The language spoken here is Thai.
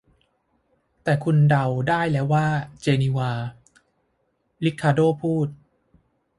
แต่คุณเดาได้แล้วว่า 'เจนีวา' ริคาร์โด้พูด